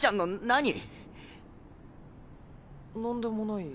何でもない。